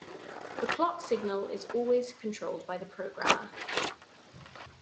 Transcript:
The clock signal is always controlled by the programmer.